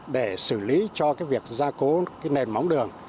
để xử lý cho việc gia cố nền móng đường